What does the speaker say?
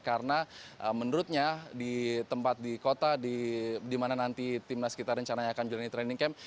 karena menurutnya di tempat di kota dimana nanti tim nas kita rencananya akan menjalani training camp